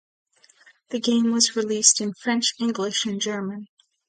The game was released in French, English and German.